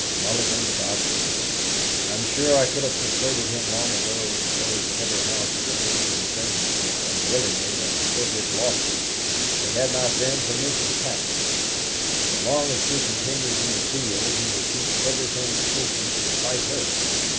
Mulligan is obstinate. I am sure I could have persuaded him long ago to close every house he owns in Sabinsport and willingly have stood his losses if it had not been for Mrs. Katcham. So long as she continues in the field, he will keep everything open to spite her."